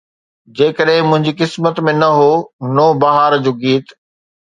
جيڪڏهن منهنجي قسمت ۾ نه هو، نوبهار جو گيت